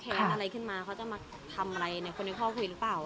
อะไรขึ้นมาเขาจะมาทำอะไรในคนในครอบครัวคุยหรือเปล่า